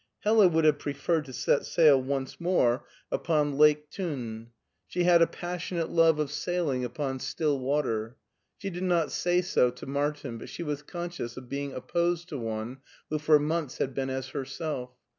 Hella would have preferred to sail once more upon i5a MARTIN SCHtJLER Lake Thun. She had a passionate love of sailing upon still water. She did not say so to Martin, but she was conscious of being opposed to one who for months had been as herself.